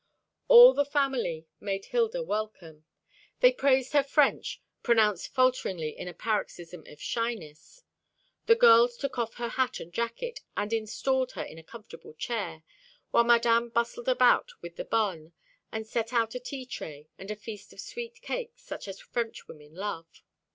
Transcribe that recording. All the family made Hilda welcome. They praised her French, pronounced falteringly in a paroxysm of shyness. The girls took off her hat and jacket, and installed her in a comfortable chair, while Madame bustled about with the bonne, and set out a tea tray and a feast of sweet cakes such as Frenchwomen love.